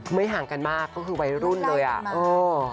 ไม่ห่างกันมากเขาคือวัยรุ่นเลยอ่ะ